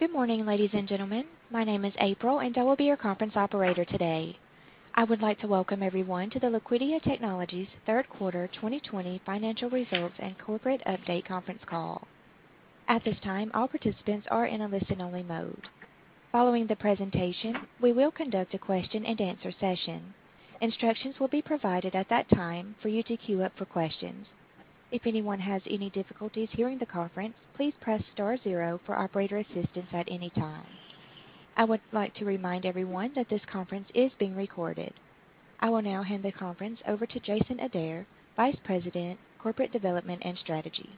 Good morning, ladies and gentlemen. My name is April, and I will be your conference operator today. I would like to welcome everyone to the Liquidia Technologies Q3 2020 Financial Results and Corporate Update Conference Call. At this time, all participants are in a listen-only mode. Following the presentation, we will conduct a question and answer session. Instructions will be provided at that time for you to queue up for questions. If anyone has any difficulties hearing the conference, please press star zero for operator assistance at any time. I would like to remind everyone that this conference is being recorded. I will now hand the conference over to Jason Adair, Vice President, Corporate Development and Strategy.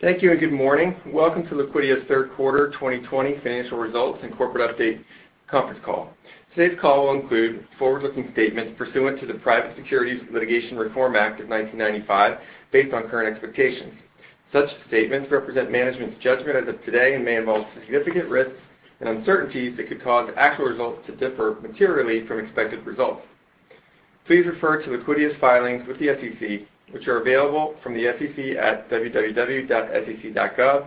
Thank you, and good morning. Welcome to Liquidia's Q3 2020 Financial Results and Corporate Update Conference Call. Today's call will include forward-looking statements pursuant to the Private Securities Litigation Reform Act of 1995, based on current expectations. Such statements represent management's judgment as of today and may involve significant risks and uncertainties that could cause actual results to differ materially from expected results. Please refer to Liquidia's filings with the SEC, which are available from the SEC at www.sec.gov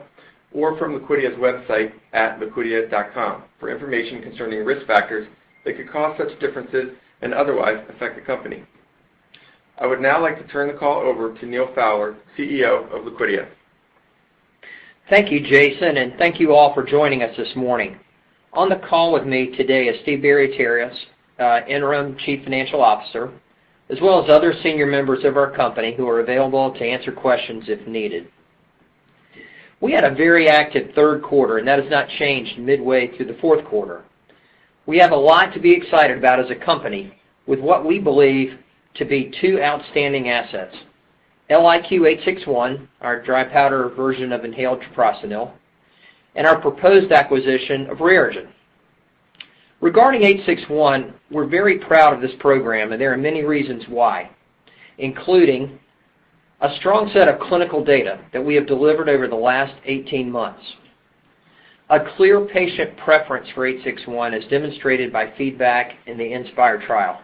or from Liquidia's website at liquidia.com for information concerning risk factors that could cause such differences and otherwise affect the company. I would now like to turn the call over to Neal Fowler, CEO of Liquidia. Thank you, Jason, and thank you all for joining us this morning. On the call with me today is Steven Bariahtaris, Interim Chief Financial Officer, as well as other senior members of our company who are available to answer questions if needed. We had a very active Q3, and that has not changed midway through the fourth quarter. We have a lot to be excited about as a company with what we believe to be two outstanding assets, LIQ-861, our dry powder version of inhaled treprostinil, and our proposed acquisition of RareGen. Regarding 861, we're very proud of this program, and there are many reasons why, including a strong set of clinical data that we have delivered over the last 18 months, a clear patient preference for 861, as demonstrated by feedback in the INSPIRE trial,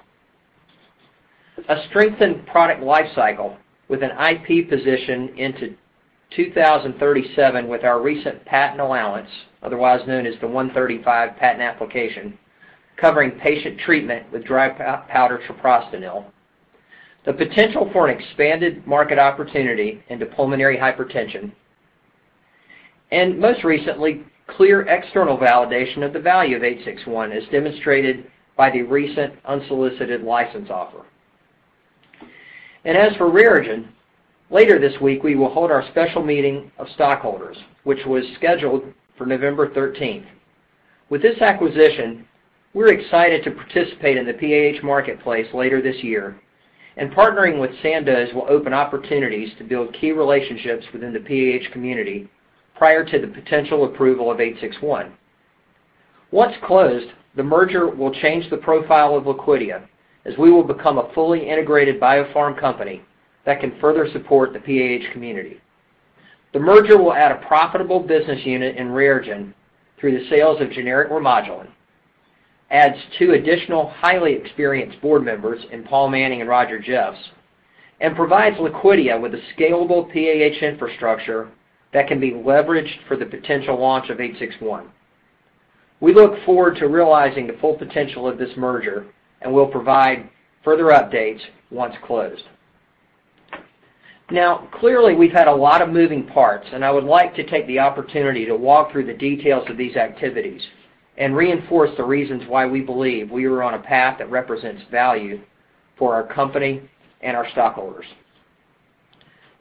a strengthened product life cycle with an IP position into 2037 with our recent patent allowance, otherwise known as the 135 patent application, covering patient treatment with dry powder treprostinil, the potential for an expanded market opportunity into pulmonary hypertension, and most recently, clear external validation of the value of 861, as demonstrated by the recent unsolicited license offer. As for RareGen, later this week, we will hold our special meeting of stockholders, which was scheduled for November 13th. With this acquisition, we're excited to participate in the PAH marketplace later this year, and partnering with Sandoz will open opportunities to build key relationships within the PAH community prior to the potential approval of 861. Once closed, the merger will change the profile of Liquidia, as we will become a fully integrated biopharm company that can further support the PAH community. The merger will add a profitable business unit in RareGen through the sales of generic Remodulin, adds two additional highly experienced board members in Paul Manning and Roger Jeffs, and provides Liquidia with a scalable PAH infrastructure that can be leveraged for the potential launch of 861. We look forward to realizing the full potential of this merger and will provide further updates once closed. Clearly, we've had a lot of moving parts, and I would like to take the opportunity to walk through the details of these activities and reinforce the reasons why we believe we are on a path that represents value for our company and our stockholders.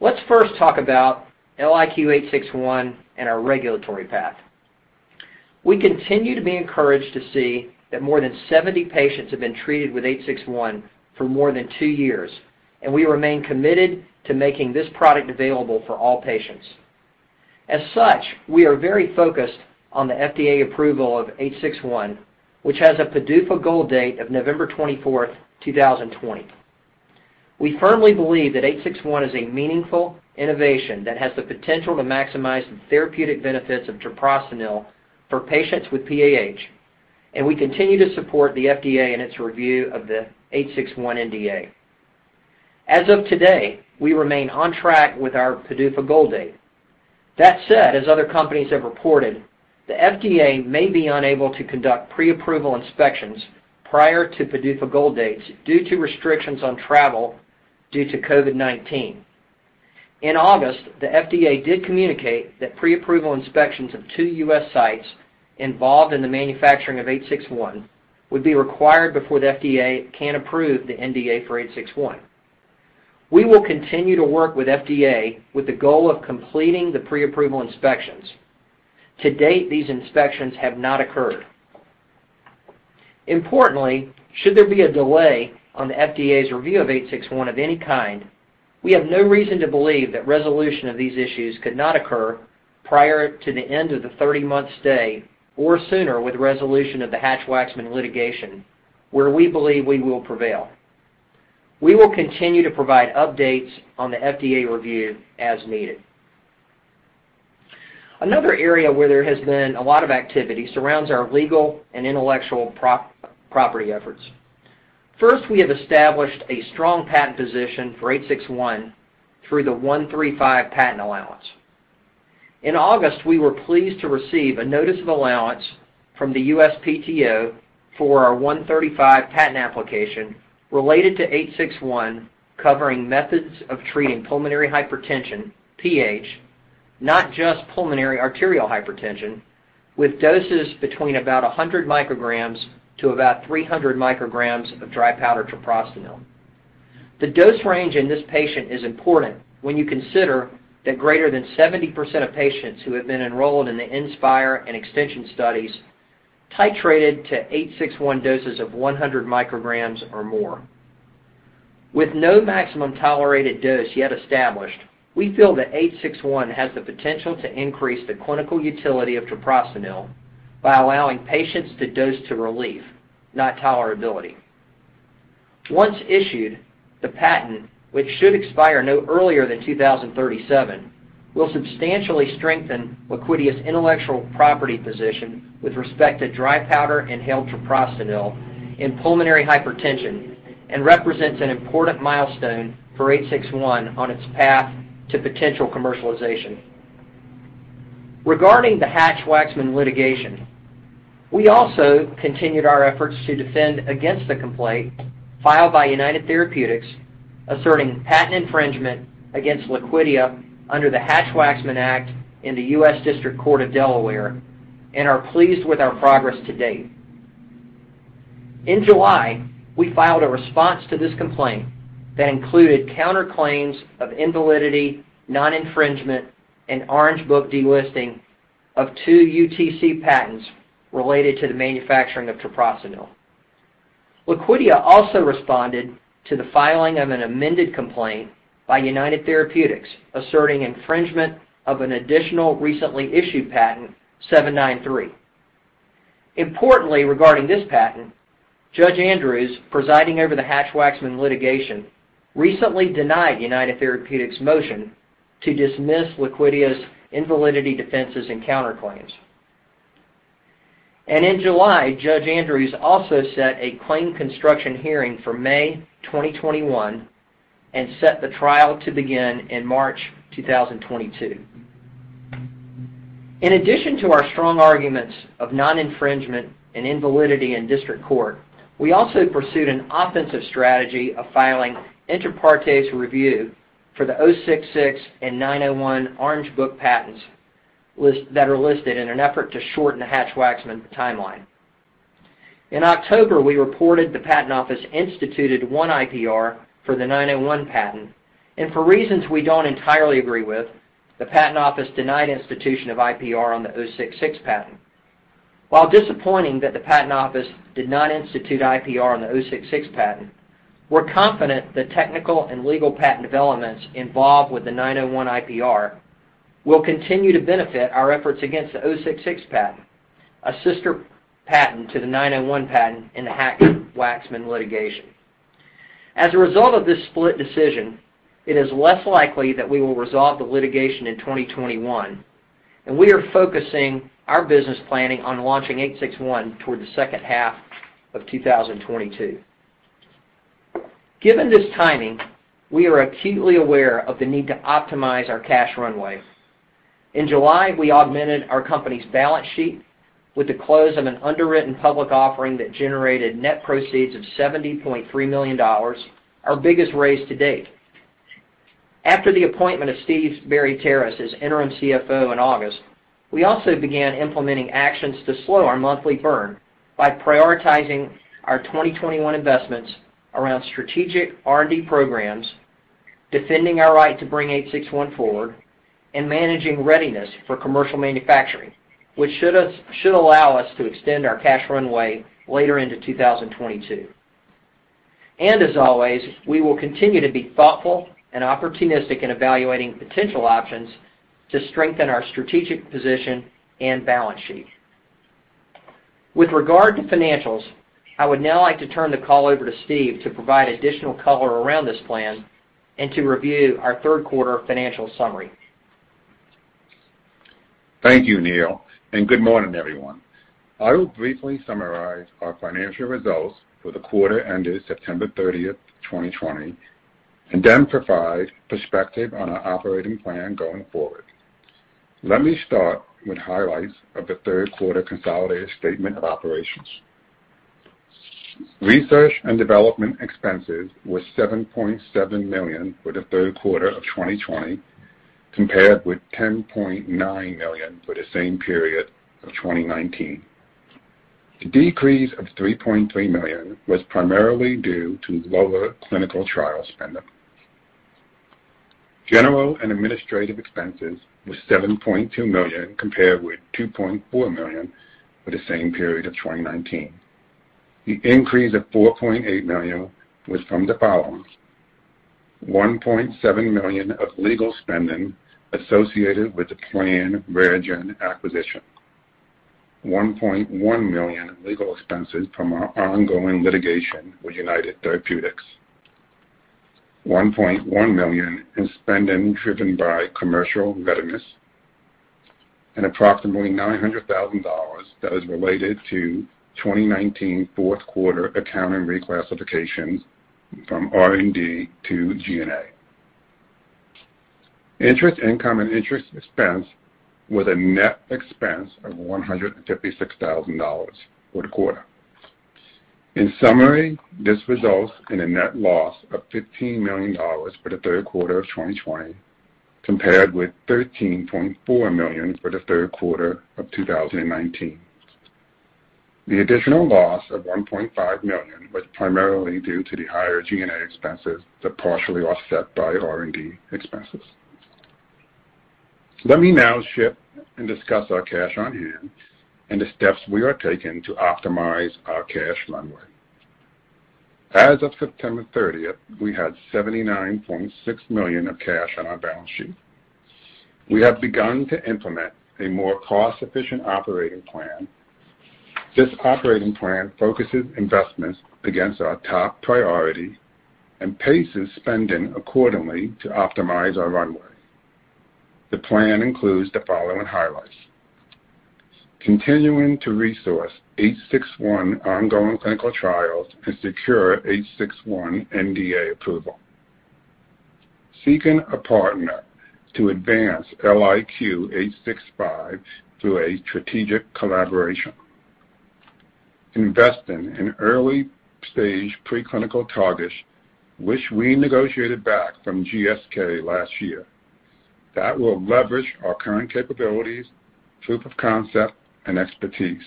Let's first talk about LIQ-861 and our regulatory path. We continue to be encouraged to see that more than 70 patients have been treated with 861 for more than two years, and we remain committed to making this product available for all patients. As such, we are very focused on the FDA approval of 861, which has a PDUFA goal date of November 24th, 2020. We firmly believe that 861 is a meaningful innovation that has the potential to maximize the therapeutic benefits of treprostinil for patients with PAH, and we continue to support the FDA in its review of the 861 NDA. As of today, we remain on track with our PDUFA goal date. As other companies have reported, the FDA may be unable to conduct pre-approval inspections prior to PDUFA goal dates due to restrictions on travel due to COVID-19. In August, the FDA did communicate that pre-approval inspections of two U.S. sites involved in the manufacturing of 861 would be required before the FDA can approve the NDA for 861. We will continue to work with FDA with the goal of completing the pre-approval inspections. To date, these inspections have not occurred. Importantly, should there be a delay on the FDA's review of 861 of any kind, we have no reason to believe that resolution of these issues could not occur prior to the end of the 30-month stay or sooner with resolution of the Hatch-Waxman litigation, where we believe we will prevail. We will continue to provide updates on the FDA review as needed. Another area where there has been a lot of activity surrounds our legal and intellectual property efforts. First, we have established a strong patent position for LIQ-861 through the 135 patent allowance. In August, we were pleased to receive a notice of allowance from the USPTO for our 135 patent application related to LIQ-861 covering methods of treating pulmonary hypertension (PH), not just pulmonary arterial hypertension, with doses between about 100 micrograms to about 300 micrograms of dry powder treprostinil. The dose range in this patent is important when you consider that greater than 70% of patients who have been enrolled in the INSPIRE and EXTENSION studies titrated to LIQ-861 doses of 100 micrograms or more. With no maximum tolerated dose yet established, we feel that 861 has the potential to increase the clinical utility of treprostinil by allowing patients to dose to relief, not tolerability. Once issued, the patent, which should expire no earlier than 2037, will substantially strengthen Liquidia's intellectual property position with respect to dry powder inhaled treprostinil in pulmonary hypertension and represents an important milestone for 861 on its path to potential commercialization. Regarding the Hatch-Waxman litigation, we also continued our efforts to defend against the complaint filed by United Therapeutics asserting patent infringement against Liquidia under the Hatch-Waxman Act in the U.S. District Court for the District of Delaware and are pleased with our progress to date. In July, we filed a response to this complaint that included counterclaims of invalidity, non-infringement, and Orange Book delisting of two UTC patents related to the manufacturing of treprostinil. Liquidia also responded to the filing of an amended complaint by United Therapeutics asserting infringement of an additional recently issued patent, 793. Importantly, regarding this patent, Judge Andrews, presiding over the Hatch-Waxman litigation, recently denied United Therapeutics' motion to dismiss Liquidia's invalidity defenses and counterclaims. In July, Judge Andrews also set a claim construction hearing for May 2021 and set the trial to begin in March 2022. In addition to our strong arguments of non-infringement and invalidity in district court, we also pursued an offensive strategy of filing inter partes review for the 066 and 901 Orange Book patents that are listed in an effort to shorten the Hatch-Waxman timeline. In October, we reported the Patent Office instituted one IPR for the 901 patent, and for reasons we don't entirely agree with, the Patent Office denied institution of IPR on the 066 patent. While disappointing that the Patent Office did not institute IPR on the 066 patent, we're confident the technical and legal patent developments involved with the 901 IPR will continue to benefit our efforts against the 066 patent, a sister patent to the 901 patent in the Hatch-Waxman litigation. As a result of this split decision, it is less likely that we will resolve the litigation in 2021, and we are focusing our business planning on launching 861 toward the second half of 2022. Given this timing, we are acutely aware of the need to optimize our cash runway. In July, we augmented our company's balance sheet with the close of an underwritten public offering that generated net proceeds of $70.3 million, our biggest raise to date. After the appointment of Steve Bariahtaris as Interim Chief Financial Officer in August, we also began implementing actions to slow our monthly burn by prioritizing our 2021 investments around strategic R&D programs, defending our right to bring LIQ-861 forward, and managing readiness for commercial manufacturing, which should allow us to extend our cash runway later into 2022. As always, we will continue to be thoughtful and opportunistic in evaluating potential options to strengthen our strategic position and balance sheet. With regard to financials, I would now like to turn the call over to Steve to provide additional color around this plan and to review our Q3 financial summary. Thank you, Neal, good morning, everyone. I will briefly summarize our financial results for the quarter ended September 30th, 2020, and then provide perspective on our operating plan going forward. Let me start with highlights of the Q3 consolidated statement of operations. Research and development expenses were $7.7 million for the Q3 of 2020, compared with $10.9 million for the same period of 2019. The decrease of $3.3 million was primarily due to lower clinical trial spending. General and administrative expenses were $7.2 million, compared with $2.4 million for the same period of 2019. The increase of $4.8 million was from the following: $1.7 million of legal spending associated with the planned RareGen acquisition, $1.1 million in legal expenses from our ongoing litigation with United Therapeutics, $1.1 million in spending driven by commercial readiness, and approximately $900,000 that is related to 2019 fourth quarter accounting reclassification from R&D to G&A. Interest income and interest expense with a net expense of $156,000 for the quarter. In summary, this results in a net loss of $15 million for the Q3 of 2020, compared with $13.4 million for the Q3 of 2019. The additional loss of $1.5 million was primarily due to the higher G&A expenses that partially offset by R&D expenses. Let me now shift and discuss our cash on hand and the steps we are taking to optimize our cash runway. As of September 30th, we had $79.6 million of cash on our balance sheet. We have begun to implement a more cost-efficient operating plan. This operating plan focuses investments against our top priority and paces spending accordingly to optimize our runway. The plan includes the following highlights. Continuing to resource LIQ-861 ongoing clinical trials to secure LIQ-861 NDA approval. Seeking a partner to advance LIQ-865 through a strategic collaboration. Investing in early-stage preclinical targets, which we negotiated back from GSK last year, that will leverage our current capabilities, proof of concept, and expertise.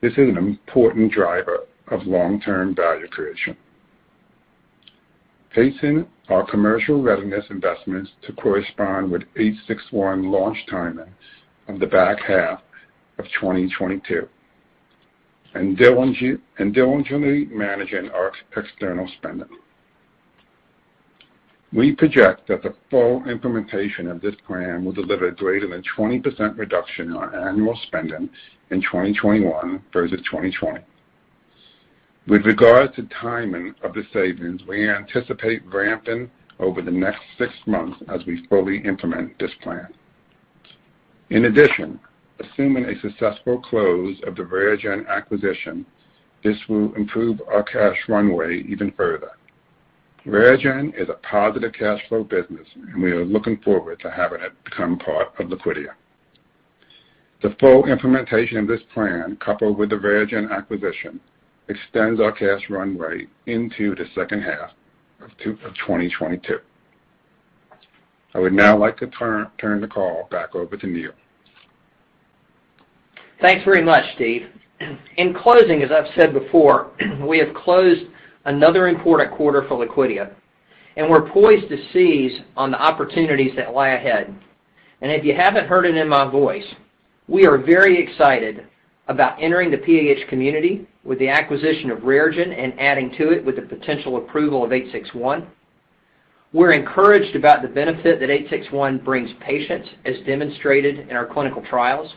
This is an important driver of long-term value creation. Pacing our commercial readiness investments to correspond with LIQ-861 launch timing of the back half of 2022, and diligently managing our external spending. We project that the full implementation of this plan will deliver greater than 20% reduction on annual spending in 2021 versus 2020. With regard to timing of the savings, we anticipate ramping over the next six months as we fully implement this plan. In addition, assuming a successful close of the RareGen acquisition, this will improve our cash runway even further. RareGen is a positive cash flow business, and we are looking forward to having it become part of Liquidia. The full implementation of this plan, coupled with the RareGen acquisition, extends our cash runway into the second half of 2022. I would now like to turn the call back over to Neal. Thanks very much, Steve. In closing, as I've said before, we have closed another important quarter for Liquidia, and we're poised to seize on the opportunities that lie ahead. If you haven't heard it in my voice, we are very excited about entering the PAH community with the acquisition of RareGen and adding to it with the potential approval of LIQ-861. We're encouraged about the benefit that LIQ-861 brings patients, as demonstrated in our clinical trials.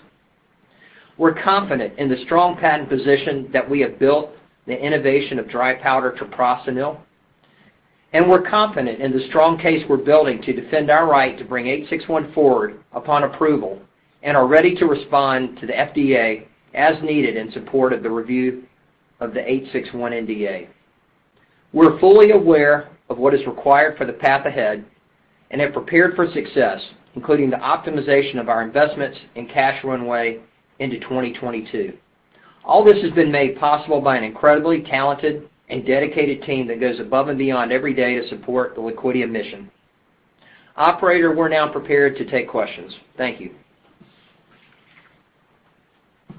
We're confident in the strong patent position that we have built, the innovation of dry powder treprostinil, and we're confident in the strong case we're building to defend our right to bring LIQ-861 forward upon approval and are ready to respond to the FDA as needed in support of the review of the LIQ-861 NDA. We're fully aware of what is required for the path ahead and have prepared for success, including the optimization of our investments and cash runway into 2022. All this has been made possible by an incredibly talented and dedicated team that goes above and beyond every day to support the Liquidia mission. Operator, we're now prepared to take questions. Thank you.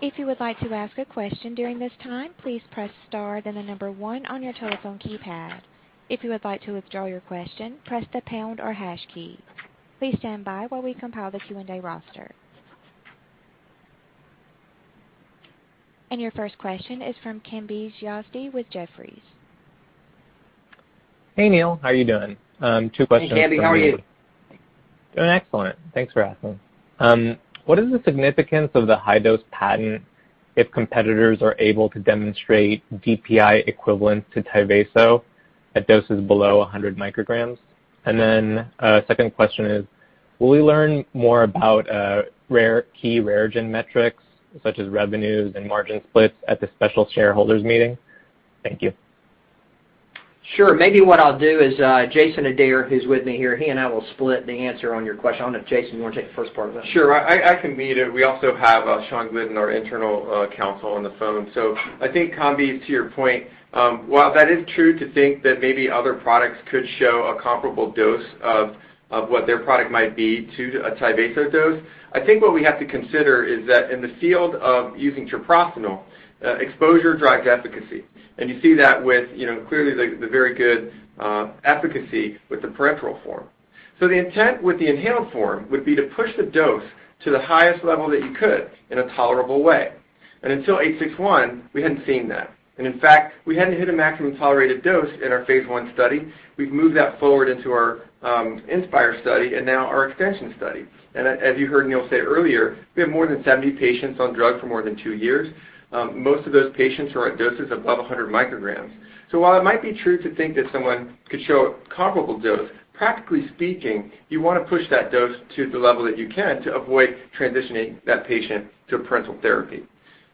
If you would like to ask a question during this time, please press star, then the number one on your telephone keypad. If you would like to withdraw your question, press the pound or hash key. Please stand by while we compile the Q&A roster. Your first question is from Kambiz Yazdi with Jefferies. Hey, Neal. How are you doing? Two questions from me. Hey, Kambiz. How are you? Doing excellent. Thanks for asking. What is the significance of the high-dose patent if competitors are able to demonstrate DPI equivalent to Tyvaso at doses below 100 micrograms? Second question is, will we learn more about key RareGen metrics such as revenues and margin splits at the special shareholders meeting? Thank you. Sure. Maybe what I'll do is Jason Adair, who's with me here, he and I will split the answer on your question. I don't know if Jason, you want to take the first part of that? Sure. I can lead it. We also have Shawn Glidden, our internal counsel, on the phone. I think, Kambiz, to your point, while that is true to think that maybe other products could show a comparable dose of what their product might be to a Tyvaso dose, I think what we have to consider is that in the field of using treprostinil, exposure drives efficacy. You see that with clearly the very good efficacy with the parenteral form. The intent with the inhaled form would be to push the dose to the highest level that you could in a tolerable way. Until 861, we hadn't seen that. In fact, we hadn't hit a maximum tolerated dose in our phase I study. We've moved that forward into our INSPIRE study and now our extension study. As you heard Neal say earlier, we have more than 70 patients on drug for more than two years. Most of those patients are at doses above 100 micrograms. While it might be true to think that someone could show a comparable dose, practically speaking, you want to push that dose to the level that you can to avoid transitioning that patient to parenteral therapy.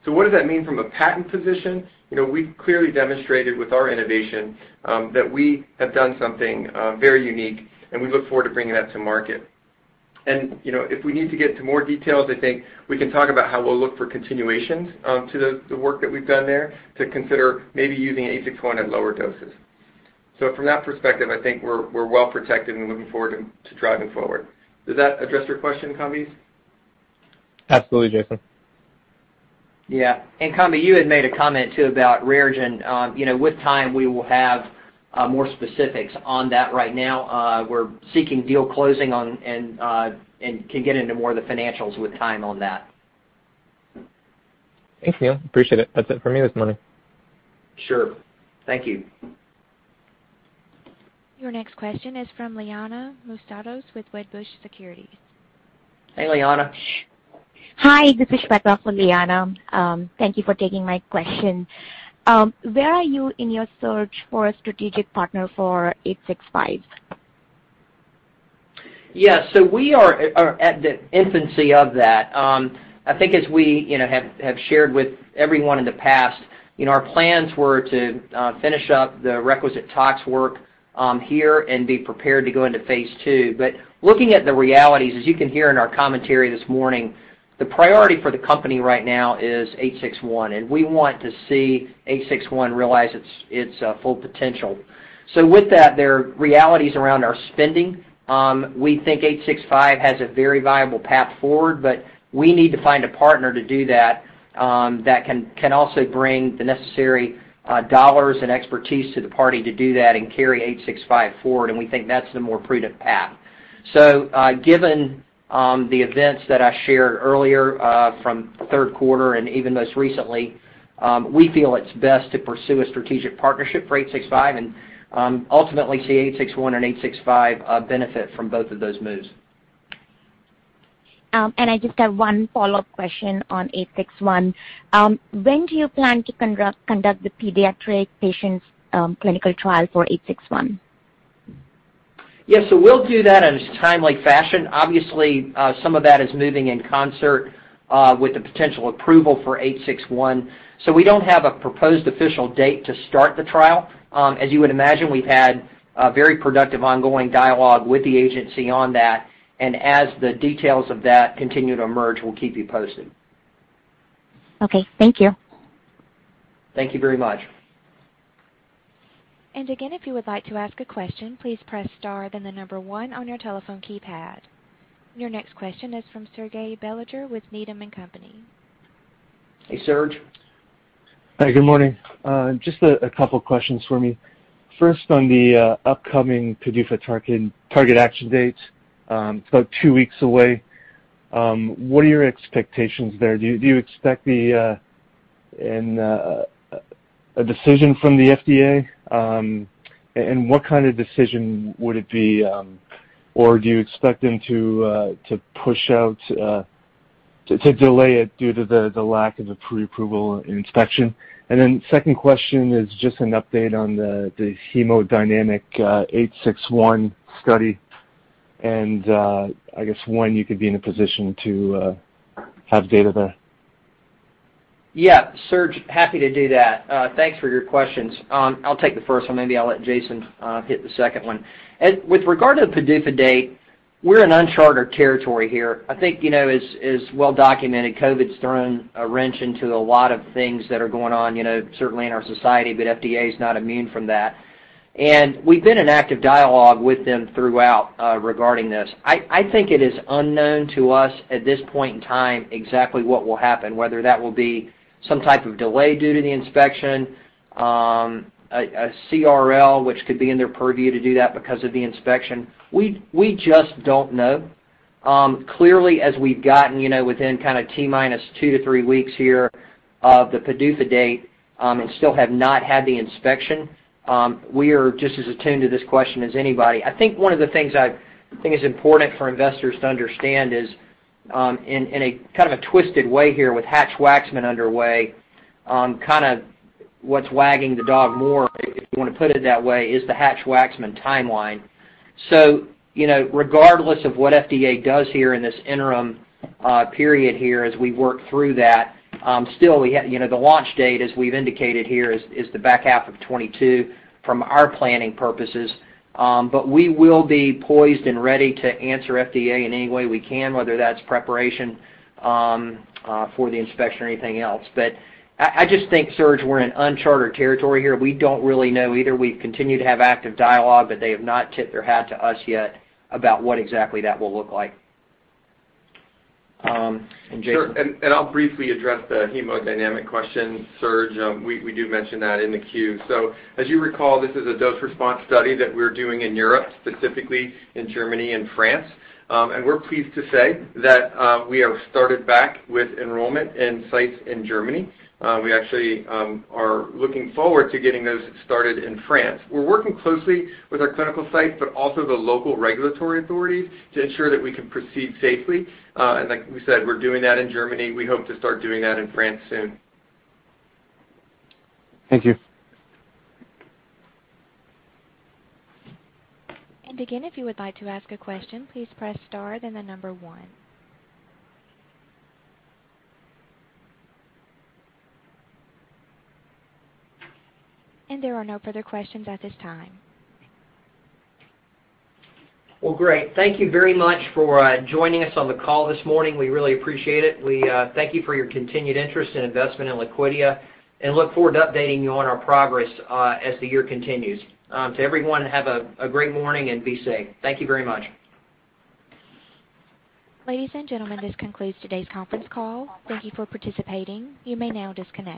What does that mean from a patent position? We've clearly demonstrated with our innovation, that we have done something very unique, and we look forward to bringing that to market. If we need to get to more details, I think we can talk about how we'll look for continuations to the work that we've done there to consider maybe using LIQ-861 at lower doses. From that perspective, I think we're well-protected and looking forward to driving forward. Does that address your question, Kambiz? Absolutely, Jason. Yeah. Kambiz, you had made a comment, too, about RareGen. With time, we will have more specifics on that. Right now, we're seeking deal closing and can get into more of the financials with time on that. Thanks, Neal. Appreciate it. That's it for me this morning. Sure. Thank you. Your next question is from Liana Moussatos with Wedbush Securities. Hey, Liana. Hi, this is Shweta for Liana. Thank you for taking my question. Where are you in your search for a strategic partner for 865? Yeah, we are at the infancy of that. I think as we have shared with everyone in the past, our plans were to finish up the requisite tox work here and be prepared to go into phase II. Looking at the realities, as you can hear in our commentary this morning, the priority for the company right now is 861, and we want to see 861 realize its full potential. With that, there are realities around our spending. We think 865 has a very viable path forward, but we need to find a partner to do that can also bring the necessary dollars and expertise to the party to do that and carry 865 forward, and we think that's the more prudent path. Given the events that I shared earlier from Q3 and even most recently, we feel it's best to pursue a strategic partnership for 865 and ultimately see 861 and 865 benefit from both of those moves. I just have one follow-up question on 861. When do you plan to conduct the pediatric patients clinical trial for 861? Yeah, we'll do that in a timely fashion. Obviously, some of that is moving in concert with the potential approval for 861. We don't have a proposed official date to start the trial. As you would imagine, we've had a very productive ongoing dialogue with the agency on that. As the details of that continue to emerge, we'll keep you posted. Okay. Thank you. Thank you very much. Again, if you would like to ask a question, please press star then the number one on your telephone keypad. Your next question is from Serge Belanger with Needham & Company. Hey, Serge. Hi, good morning. Just a couple questions for me. On the upcoming PDUFA target action date. It's about two weeks away. What are your expectations there? Do you expect a decision from the FDA? What kind of decision would it be? Do you expect them to push out, to delay it due to the lack of a pre-approval inspection? Second question is just an update on the hemodynamic 861 study, and I guess when you could be in a position to have data there. Yeah. Serge, happy to do that. Thanks for your questions. I'll take the first one. Maybe I'll let Jason hit the second one. With regard to the PDUFA date, we're in uncharted territory here. I think, as well documented, COVID's thrown a wrench into a lot of things that are going on, certainly in our society, FDA is not immune from that. We've been in active dialogue with them throughout regarding this. I think it is unknown to us at this point in time exactly what will happen, whether that will be some type of delay due to the inspection, a CRL, which could be in their purview to do that because of the inspection. We just don't know. Clearly, as we've gotten within kind of T-minus two to three weeks here of the PDUFA date and still have not had the inspection, we are just as attuned to this question as anybody. I think one of the things I think is important for investors to understand is, in a kind of a twisted way here with Hatch-Waxman underway, on kind of what's wagging the dog more, if you want to put it that way, is the Hatch-Waxman timeline. Regardless of what FDA does here in this interim period here as we work through that, still, the launch date, as we've indicated here, is the back half of 2022 from our planning purposes. We will be poised and ready to answer FDA in any way we can, whether that's preparation for the inspection or anything else. I just think, Serge, we're in uncharted territory here. We don't really know either. We continue to have active dialogue, but they have not tipped their hat to us yet about what exactly that will look like. Jason? Sure. I'll briefly address the hemodynamic question, Serge. We do mention that in the Q. As you recall, this is a dose response study that we're doing in Europe, specifically in Germany and France. We're pleased to say that we have started back with enrollment in sites in Germany. We actually are looking forward to getting those started in France. We're working closely with our clinical sites, but also the local regulatory authorities to ensure that we can proceed safely. Like we said, we're doing that in Germany. We hope to start doing that in France soon. Thank you. There are no further questions at this time. Well, great. Thank you very much for joining us on the call this morning. We really appreciate it. We thank you for your continued interest and investment in Liquidia and look forward to updating you on our progress as the year continues. To everyone, have a great morning and be safe. Thank you very much. Ladies and gentlemen, this concludes today's conference call. Thank you for participating. You may now disconnect.